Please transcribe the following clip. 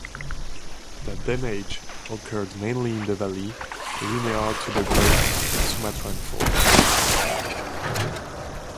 The damage occurred mainly in the valley linear to the Great Sumatran Fault.